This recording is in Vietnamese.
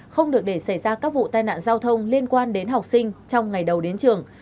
không được để xảy ra các vụ tai nạn giao thông liên quan đến học sinh trong ngày đầu đến trường